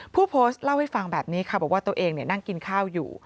ผู้โพสต์เล่าให้ฟังแบบนี้ค่ะบอกว่าตัวเองนั่งกินข้าวอยู่